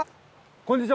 こんにちは。